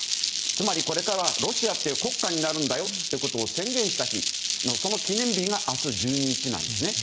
つまり、これからはロシアという国家になるんだよと宣言した日、その記念日が明日１２日なんですね。